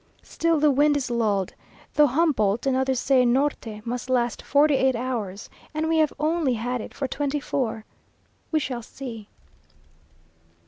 Still the wind is lulled, though Humboldt and others say a Norte must last forty eight hours, and we have only had it for twenty four. We shall see.